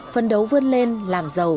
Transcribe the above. phân đấu vươn lên làm giàu